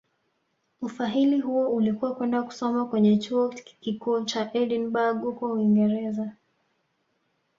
Ufahili huo ulikuwa kwenda kusoma kwenye Chuo Kikuu cha Edinburgh huko Uingereza